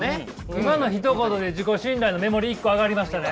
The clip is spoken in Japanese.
今のひと言で自己信頼の目盛り一個上がりましたね。